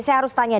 saya harus tanya